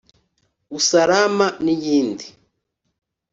Usalama n’iyindi